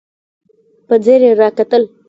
په ځير يې راکتل.